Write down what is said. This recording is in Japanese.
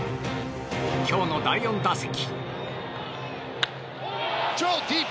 今日の第４打席。